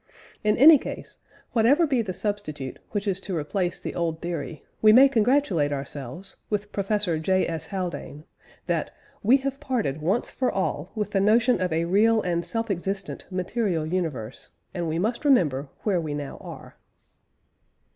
In any case, whatever be the substitute which is to replace the old theory, we may congratulate ourselves, with Professor J. S. Haldane, that "we have parted once for all with the notion of a real and self existent Material universe; and we must remember where we now are."